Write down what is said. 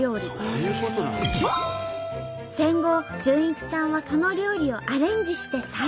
戦後潤一さんはその料理をアレンジして再現。